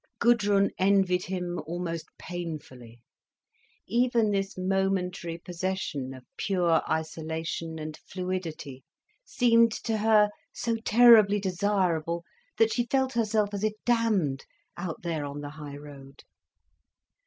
Gudrun envied him almost painfully. Even this momentary possession of pure isolation and fluidity seemed to her so terribly desirable that she felt herself as if damned, out there on the high road.